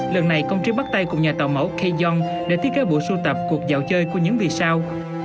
lần này công trí bắt tay cùng nhà tàu mẫu kay young để thiết kế bộ sưu tập cuộc dạo chơi của những vì sao